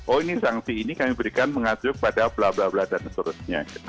oh ini sanksi ini kami berikan mengacu kepada bla bla bla dan seterusnya